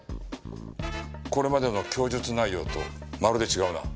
これまでの供述内容とまるで違うな。